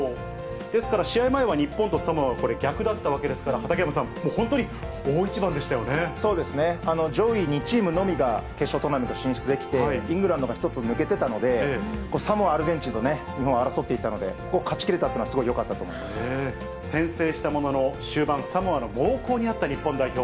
ですから、試合前は日本とサモアはこれ、逆だったわけですから、畠山さん、そうですね、上位２チームのみが決勝トーナメント進出できて、イングランドが１つ抜けてたので、サモア、アルゼンチンと日本は争っていたので、ここを勝ちきれたっていう先制したものの、終盤、サモアの猛攻に遭った日本代表。